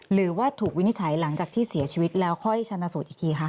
หรือว่าถูกวินิจฉัยหลังจากที่เสียชีวิตแล้วค่อยชนะสูตรอีกทีคะ